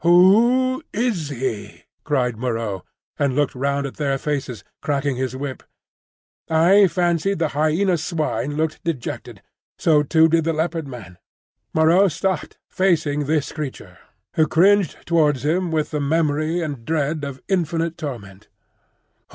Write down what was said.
"Who is he?" cried Moreau, and looked round at their faces, cracking his whip. I fancied the Hyena swine looked dejected, so too did the Leopard man. Moreau stopped, facing this creature, who cringed towards him with the memory and dread of infinite torment.